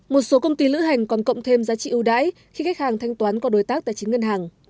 một số công ty lữ hành còn cộng thêm giá trị ưu đãi khi khách hàng thanh toán qua đối tác tài chính ngân hàng